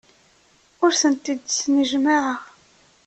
Ur tent-id-snejmaɛeɣ.